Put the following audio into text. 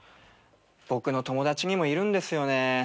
僕の友達にもいるんですよね。